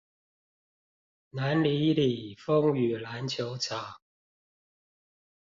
南里里風雨籃球場